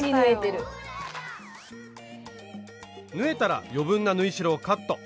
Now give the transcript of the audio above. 縫えたら余分な縫い代をカット。